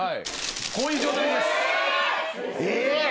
こういう状態です。えっ！？